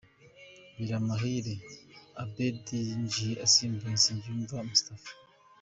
Biramahire Abeddy yinjiye asimbuye Nsengiyumva Moustapha